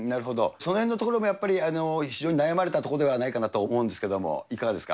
そのへんのところもやっぱり、非常に悩まれたところではないかと思うんですけど、いかがですか。